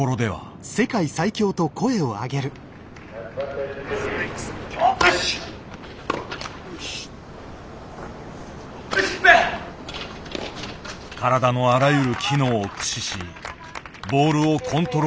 体のあらゆる機能を駆使しボールをコントロールする。